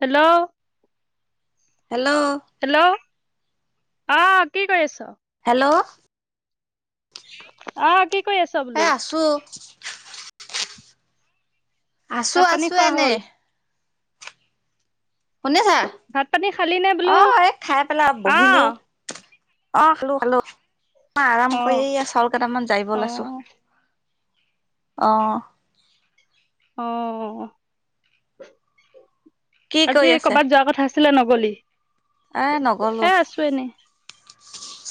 Hello hello অ' কি কৰি আছ? হেল্ল' অ'কি এ আছো। আছো ভাত পানী আছো খোৱা এনে হ'ল শুনিছা ভাত পানী খালি নে বোলো অ এই খাই পেলাই অ বহিলো অ' খালো। খালো। মই আৰাম অ কৰি চাউলকেইটামান জাৰিব অ ওলাইছো। আহ অ কি কৰি আজি আছে কৰ'বাত যোৱা কথা আছিলে নগলি? এ নগলো এ আছো এনেই।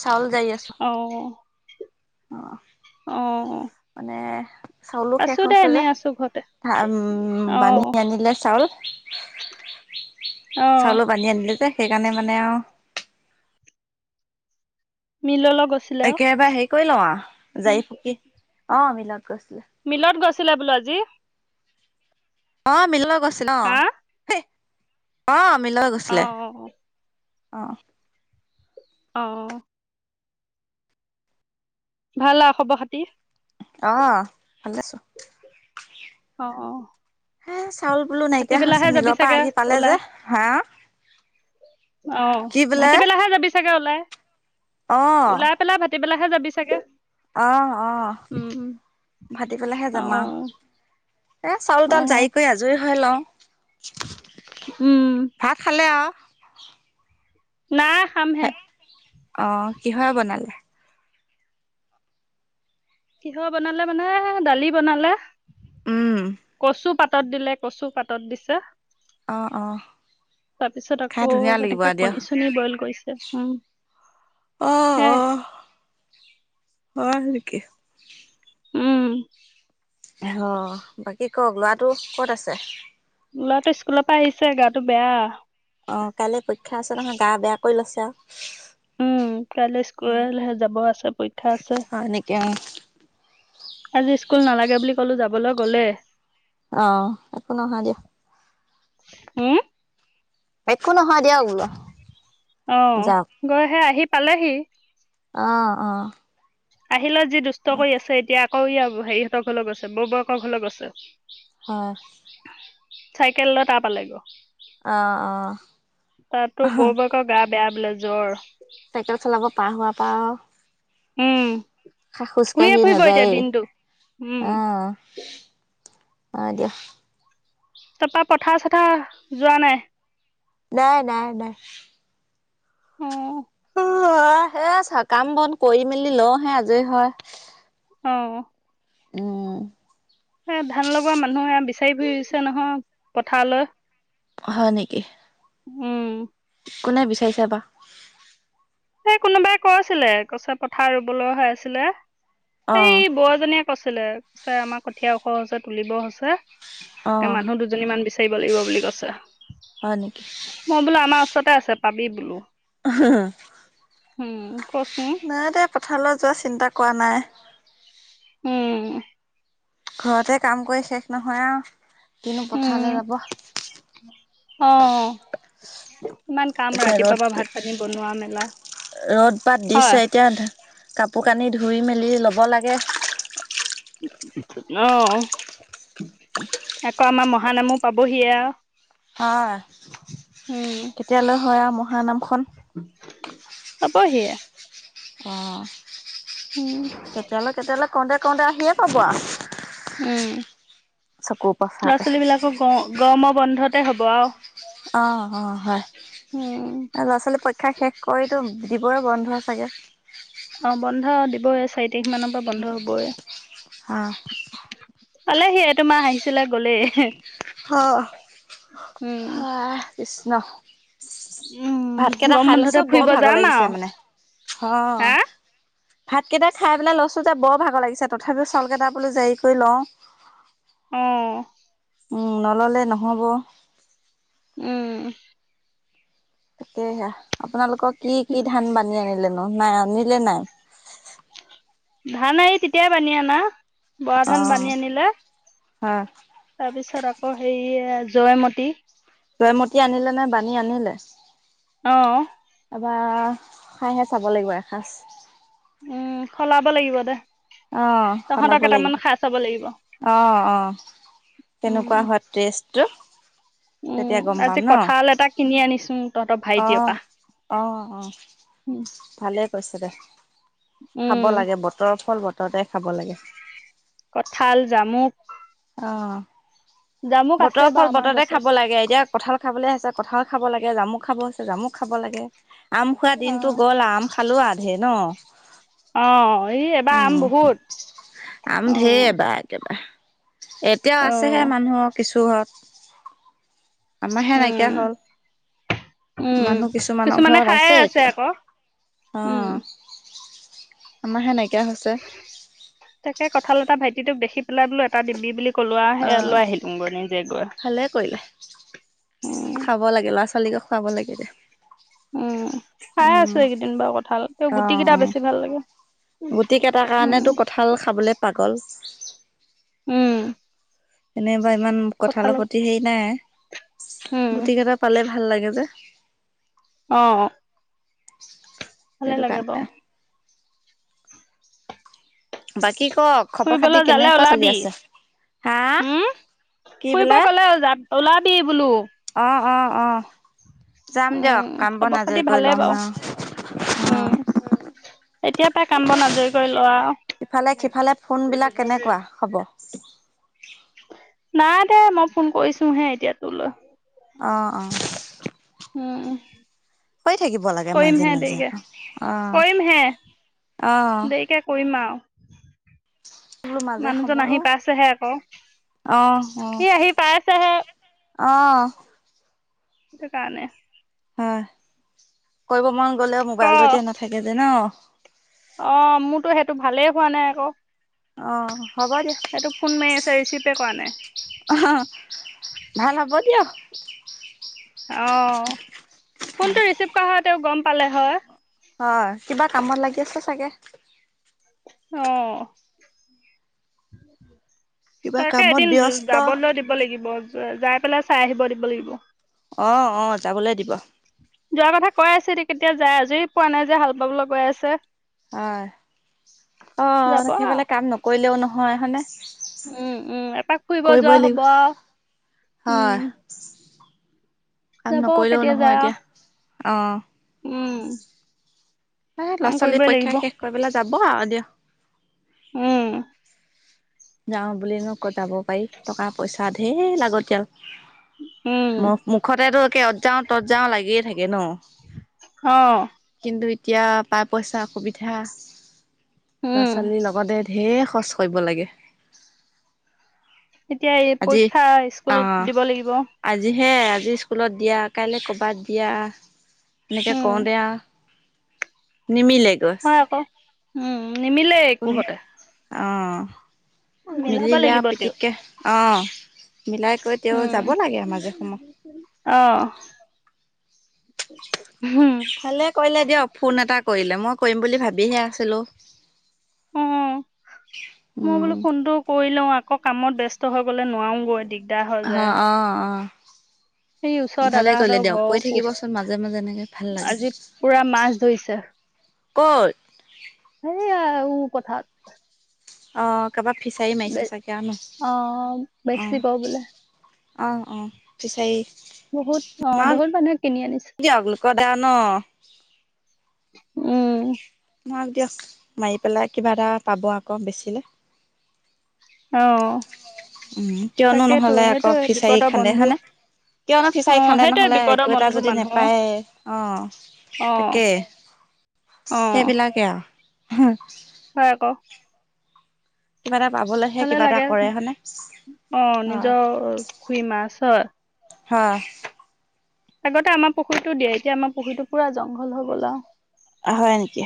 চাউল জাৰি আছো অ' অ অ মানে চাউলো শেষ আছো দে হৈছে এনে যে আছো ঘৰতে উম। অ বানি আনিলে চাউল। অ চাউলো বানি আনিলে যে সেইকাৰণে মানে আৰু মিললৈ- গৈছিলে অ একেবাৰে হেৰি কৰি ল অ জাৰি ফুকি অ মিলত গৈছো মিলত গৈছিলে বোলে আজি? আহ মিললৈ গৈছিল হা ন আহ মিললৈ অ গৈছিলে। অ অহ আহ। ভাল আৰু খবৰ খাতি। আহ 'ভালে আছো। অহ হে চাউল বুলো নাইকিয়া হৈছে। মিলৰ পৰা চাগে আহি পালে ওলাই যে হা। অ কি বোলে ভাতিবেলাহে যাবি চাগে অলপ অ ওলাই পেলাই ভাতিবেলা হে যাবি চাগে। আহ আহ উম ভাতি পেলাইহে অ যামা আৰু এ চাউল তাউল অ জাই কৰি আজৰি হৈ লওঁ। উম ভাত খালে আৰু। নাই খামহে। অ কিহৰে বনালে? কিহে বনালে মানে দালি বনালে, উম কচু পাত পাতত দিলে কচু পাতত দিছে। অ' অ'। তাৰ পিছত খাই আকৌ ধুনীয়া লাগিব এনেকে আও দিয়ক কণী চনী বইল কৰিছে উম। অ হে- অ হয় নেকি। উম আহ বাকী কওক লৰাটো কত আছে? লৰাটো স্কুলৰ পৰা আহিছে, গাটো বেয়া। অঁ কাইলৈ পৰীক্ষাৰ ওচৰত আমাৰ গা বেয়া কৰি লৈছে আৰু। উম কাইলৈ স্কুললৈ যাব আছে পৰীক্ষা আছে। হয় নেকি অ আজি স্কুল নালাগে বুলি ক'লো যাবলৈ গলে। আহ একো নহয় দিয়া। হম। একো নহয় দিয়ক বোলো অ' গৈ হে আহি পালেহি। অ'অ' আহিলে যি দুষ্ট কৰি আছে, এতিয়া আকৌ এইয়া হেৰিহঁতৰ ঘৰলৈ গৈছে, বৌ বৌয়েকৰ ঘৰলৈ গৈছে। [unintelligible] অ' চাইকেল লৈ তা পালেগৈ, অ', অ', তাতো বৌ বৌয়েকৰ গা [unintelligible] বেয়া বোলে জ্বৰ। চাইকেল চলাব পাৰা হোৱা পৰা উম [unintelligible] খা খোজ শুইয়ে কাঢ়ি ফুৰিব এতিয়া নাযাই, দিনটো উম আহ। [unintelligible] অ' দিয়া। তাপৰা পথাৰ চথাৰ যোৱা নাই? [unintelligible] অ' গা বেয়া। অ। আহ' এইয়া চা কাম বন কৰি মেলি লওঁ হে আজৰি হওঁ। অ' উম' এ ধান লগোৱা মানুহে বিচাৰি ফুৰিছে নহয় পথাৰলৈ হয় নেকি? উম' কোনে বিচাৰিছে বা? এই কোনোবাই কৈ আছিলে কছে পথাৰ ৰুবলৈ হৈ আছিলে এই অ', বৰজনীয়ে কছে। কৈছিলে, কৈছে আমাৰ কঠীয়া ওখ হৈছে তুলিব হৈছে। তাকে অ', মানুহ দুজনী মান বিচাৰি থাৰিব লাগিব বুলি কৈছে হয় নেকি মই বোলো আমাৰ ওচৰতে আছে পাবি বোলো [unintelligible] উম প্ৰশ্ন কঠালৈ যোৱা চিন্তা কৰা নাই। উম ঘৰতে কাম কৰি শেষ নহয় আৰু। কিনো পথালে উম যাব উ এতিয়া ৰ'দ মেলা ৰ'দ পাত হয় দিছে এতিয়া কাপো শু কানি ধুই মেলি ল'ব লাগে নহ আকৌ আমাৰ মহানামো পাবহিয়া। হয় কেতিয়ালৈ হয় আৰু মহানামখন হবহিয় অ কেতিয়ালৈ কেতিয়ালৈ কওঁতে কওঁতে আহিয়ে পাব আ। উম চকুৰ পচাতে ল'ৰা-ছোৱালীবিলাকৰ গ গৰম বন্ধতে হব আও। অ অ হয় ল'ৰা ছোৱালী খাই শেষ কৰিতো দিবই বন্ধ চাগে। অ বন্ধ দিবই চাৰি তাৰিখ মানৰ পৰা বন্ধ হবই। অ পালেহি সি তোমাৰ আহিছিলে গ'লেই হে অ হা কৃষ্ণ উম ভাতকেইটা গৰম খাই বন্ধতে লৈছো বৰ ফুৰিব ভাগৰ যাম লাগিছে আৰু মানে হ হা ভাতকেইটা খাই পেলাই লছোতে বৰ ভাগৰ লাগিছে তথাপিও চাউল কেইটা বোলো জাৰি কৰি লওঁ উম উম নল'লে নহ'ব। উম তাকেহে আপোনালোকক কি কি ধান বানি আনিলেনো। ন নাই অনিলে নাই? ধান আয়ি তেতিয়াই বানি আনা, বৰা ধান বানি আনিলে। হা তাৰপিছত আকৌ হেৰি জয়মতী তয়মতী আনিলে নে বাানী আনিলে অ এবা খাইহে চাব লাগিব এসাঁজ উম সলাব লাগিব দে আহ তহঁতৰ সলাব লাগিব কেইটামান খাই চাব লাগিব অ অ উম কেনেকুৱা হোৱা ট্ৰেছটো উম তেতিয়া গম পাম আজি ন কঁঠাল এটা কিনি আনিছো তহঁতৰ ভাইটিৰ আহ পৰা অ অ উম ভালে ক খাব উম লাগে বতৰৰ ফল বতৰতে খাব লাগে কঠাল জামুক অ জামুক আছে বতৰৰ বাৰু ফল আমাৰ বতৰতে গছত খাব লাগে এতিয়া কঠাল খাবলৈ আছে কথাও খাব লাগে জামুক খাব হৈছে জামুক খাব লাগে আম খোৱা অ দিনটো গল আম খালোৱাে ন অ এই এবাৰ আম উম বহুত আম অ ধেৰ এবা একেবা এতিয়াও অ আছেহে মানুহ কিছু ঘৰত আমাৰ হে উম নাইকিয়া হল উম মানুহ কিছুমানৰ কিছুমানে ঘৰত খায়ে আছে এতিয়া আকৌ আহ উম আমাৰহে নাইকিয়া হৈছে তোক দেখি পেলাই বো এটা দিবি বুলি লোৱা সে অ', লৈ আহিলোগৈ, নিজে গৈ, ভালে কৰিলে। উম। ছোৱালী ক খুৱাব লাগে এতিয়া। উম, খাই আছো এইকেইদিন বাৰু কঠাল, গুটি কেইটা বেছি ভাল লাগে। গুটিকেইটাৰ উম কাৰণেটো কঠাল খাবলে পাগল। উম। এনে বা ইমান কঁঠালৰ প্ৰতি হেৰি নাই। উম, গুটিকেইটা পালে ভাল লাগে যে। অহ। ভালে সেইটো লাগে বাও। কাৰণে। বাকী ক খবৰ খাতি ফুৰিবলৈ যালে কেনেকুৱা চলি ওলাবি। আছে? হা? উম, কি ফুৰিব বোলে? গ'লে যা, ওলাবি বোলো। অ', অ', অ', যাম দিয়ক, উম, কাম বন খবৰ খাতি আজৰি কৰি ভালেই লম বাৰু, আও [unintelligible] অ। উম। এতিয়া পাই কাম বন আজৰি কৰি লোৱা আৰু, এতিয়াটো ইফালে সিফালে ফোন বিলাক কেনেকুৱা খবৰ? নাই দে মই ফোন কৰিছো হে এতিয়া তোৰলৈ। অঁ, অহ। উম, উম। কৰি থাকিব লাগে মাজে মাজে আকৌ, অহ। কৰিমহে দেৰিকে কৰিম আও। বোলো মাজে মানুহজন আহি সময়ো পাইছেহে আক। অ', সি আহি পাইছেহে। অহ। সেইকাৰণে। হয়, কৰিব মন গলেও ক' মোবাইলটো এতিয়া নাথাকে যে নহ? অ', মোৰতো সেইটো ভালেই হোৱা নাই আকৌ। অহ। হ'ব দিয়া, সেইটো ফোন মাৰি আছে ৰিচিভে কৰা নাই, [unintelligible] অহ, ভাল হ'ব দিয়ক। অ'। ফোনটো ৰিচিভ কৰা হয় তেওঁ গম পালে, হয়। হয় কিবা কামত লাগি আছে চাগে। অহ'। কিবা তাকে কামত এদিন ব্যস্ত যাবলৈ দিব লাগিব, যাই পেলাই চাই আহিব দিব লাগিব। অ', অ, যাবলৈ দিব। যোৱাৰ কথা কৈ আছে, এতিয়া কেতিয়া যায়। আজৰি পোৱা নাই যে হাল বাবলৈ গৈ আছে। হয়, অ' যাব আৰু। সেইফালে কাম নকৰিলেও নহয় হয়নে? উম উম, এপাক ফুৰিব কৰিবই যোৱাও লাগিব হ'ব আও। হয়। উম! কাম যাব নকৰিলেও কেতিয়া যায় নহয় আৰু। এতিয়া, অহ'। উম, এ কাম ল'ৰা-ছোৱালীৰ কৰিবই পৰীক্ষা লাগিব শেষ কৰি পেলাই যাব আৰু দিয়া। উম। যাওঁ বুলিনো ক'ত যাব পাৰি, টকা পইচা ঢেৰ লাগতিয়াল উম, মখ মুখতেতো অ'ত যাওঁ ত'ত যাওঁ লাগিয়েই থাকে ন। অহ'। কিন্তু এতিয়া পাই পইচা সুবিধা, ল'ৰা উম। ছোৱালীৰ লগতে ঢেৰ খৰচ কৰিব লাগে। এতিয়া এই আজি, পৰীক্ষা স্কুলত অ'। দিব লাগিব আজিহে আজি স্কুলত দিয়া কাইলে ক'বাত দিয়া, এনেকৈ উম, কৰোতেই আও। নিমিলে গৈ। হয় আকৌ। উম, নিমিলেই একোহতে অ'। মিলাব মিলিলে আৰু লাগিব তেওঁ পিতিককে, অ। মিলাই কৰি তেও উম, যাব লাগে। মাজে সম অ'। হুম, ভালে কৰিলে দিয়ক, ফোন এটা কৰিলে, মই কৰিম বুলি ভাবিহে আছিলো। অ', মই বোলো উম কোনটো কৰি লওঁ আকৌ কামত ব্যস্ত হৈ গ'লে নোৱাৰোগৈ দি হ, অ, অ। সেই ওচৰৰ ভালে কৰিলে দাদাহঁতৰ দিয়ক কৈ ঘৰ পোহ, থাকিবচোন মাজে মাজে এনেকে ভাল লাগে আজি পুৰা মাছ ধৰিছে। [inaudible] ক'ল। কথাত অঁ কাৰোবাৰ ফিচাৰী মাৰিছে চাগে অ আৰুনো বেচিব বোলে অঁ। অ' অ' ফিছাৰি। বহুত, আহ বহুত মানুহে কিনি আনিছে। দিয়ক লোকৰ দা ন উম। মাৰক দিয়ক, মাৰি পেলাই কিবা এটা পাব আকৌ বেছিলে। আহ। উম কিয়নো নহলে আকৌ ফিচাৰি বিপদৰ খান্দে বন্ধু হানে কিয়নো অ ফিচাৰী খান্দে সেইটোয়ে নহ'লে বিপদৰ একো এটা বন্ধু যদি মানুহ নেপায়ে, অ অ তাকেই। অ সেইবিলাকে আও। হয় আকৌ। কিবা এটা পাবলৈহে ভালে কিবা এটা লাগে, কৰে হয়নে অ হয় নিজৰ খুৰী মাছ হয়। হ। আগতে আমাৰ পুখুৰীটো দিয়ে, এতিয়া আমাৰ পুখুৰীটো পুৰা জংঘল হৈ গল আৰু। হয় নেকি?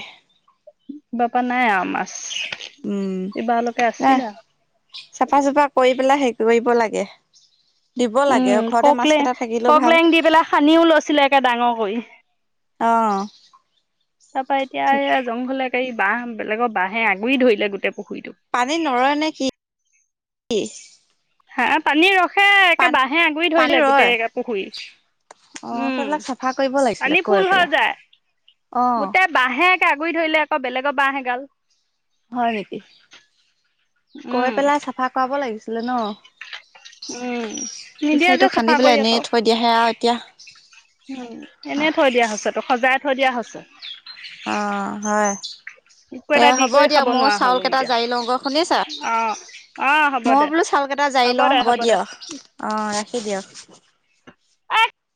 বাপা নাই আম উম ন আছিলে আৰু চাফা-চুফা কৰি পেলাই সেই ইব লাগে দিব লাগে উম ঘৰতে মাছ ককলে কেইটা থাকিলেও ভাল। ককলেং দি পেলাই সানিও লৈছিলে একে ডাঙৰ কৰি অ'। তাৰ পৰা এতিয়া জংঘলে বাঁহ বেলেগৰ বাঁহে আগুৰি ধৰিলে গোই পানী নৰয় নে কি, কি? হা পানী ৰখে একে বাঁহে আগুৰি পানী ধৰিলে ৰয় গোটেই পুখুৰী। অ' উম সেইবিলাক চাফা কৰিব পানী লাগিছিলে, ফুল গৈ হৈ যায় পেলাই। অ গোটেই বাঁহে একে আগুৰি ধৰিলে আকৌ বেলেগৰ বাঁহ এগাল। হয় নেকি? কৈ উম পেলাই চাফা কৰাব লাগিছিলে ন। উম নিদিয়ে যে ফিচাৰিটো চাফা খান্দি কৰি পেলাই আকৌ এনেই থৈ দিয়াহে আও এতিয়া। উম, এনেই থৈ দিয়া হৈছে তোক সজাই থৈ দিয়া হৈছে। আহ, হয়। মোকো এ এটা দি হ'ব কৰি দিয়ক খাব মইও নোৱাৰা চাউল হ'লো কেইটা এতিয়া জাৰি লওঁগ শুনিছা, অ অ হ'ব দে মইও বোলো চাউল টা যাই লওঁ হ'ব দিয়, অ ৰাখি দিয়ক। [inaudible]